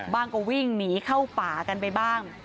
ก็วิ่งหนีเข้าป่ากันไปบ้าง